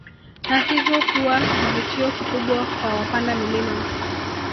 Na hivyo kuwa kivutio kikubwa kwa wapanda milima